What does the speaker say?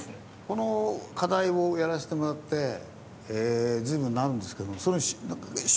この課題をやらせてもらって随分なるんですけどそれ初期の感じありますね。